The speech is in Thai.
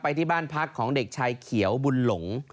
ที่บ้านพักของเด็กชายเขียวบุญหลง